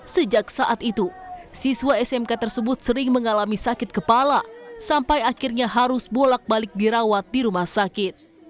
sejak saat itu siswa smk tersebut sering mengalami sakit kepala sampai akhirnya harus bolak balik dirawat di rumah sakit